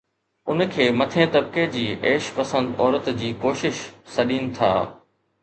اُن کي مٿئين طبقي جي عيش پسند عورت جي ڪوشش سڏين ٿا